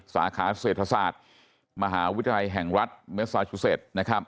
สาขาเศรษฐศาสตร์มหาวิทยาลัยแห่งรัฐเมซาชูเซ็ต